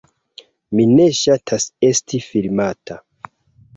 Mi ne ŝatas esti filmata